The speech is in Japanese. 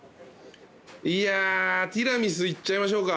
いやティラミスいっちゃいましょうか。